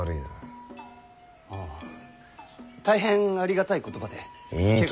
ああ大変ありがたい言葉で汚れ。